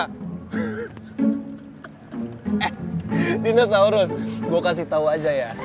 eh dinosaurus gue kasih tau aja ya